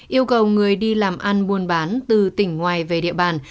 yêu cầu người đi làm ăn buôn bán từ tỉnh ngoài về địa bàn